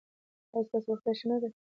ایا ستاسو روغتیا ښه نه ده؟